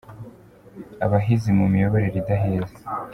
Abahizi mu miyoborere idaheza.